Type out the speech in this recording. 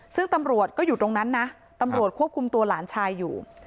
ซึ่งตำรวจก็อยู่ตรงนั้นนะตำรวจควบคุมตัวหลานชายอยู่